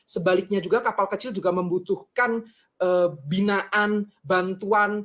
sebaliknya juga kapal kecil juga membutuhkan binaan bantuan